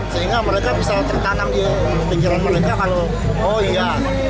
sehingga mereka bisa tertanam di pikiran mereka